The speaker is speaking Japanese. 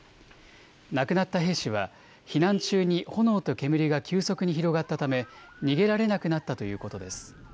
亡くなった兵士は避難中に炎と煙が急速に広がったため逃げられなくなったということです。